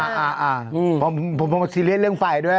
อ่าอ่าผมโบคสิเรียสเรื่องไฟด้วย